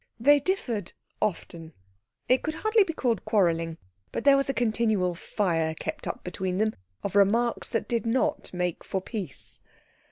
They differed often; it could hardly be called quarrelling, but there was a continual fire kept up between them of remarks that did not make for peace.